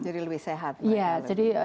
jadi lebih sehat